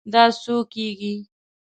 دا څو کیږي؟